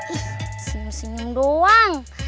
ih sinyum sinyum doang